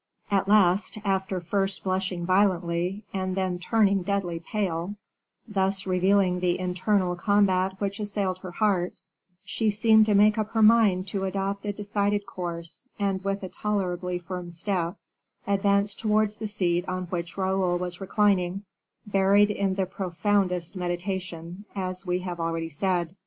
At last, after first blushing violently, and then turning deadly pale, thus revealing the internal combat which assailed her heart, she seemed to make up her mind to adopt a decided course, and with a tolerably firm step, advanced towards the seat on which Raoul was reclining, buried in the profoundest meditation, as we have already said.